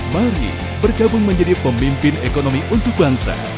mari bergabung menjadi pemimpin ekonomi untuk bangsa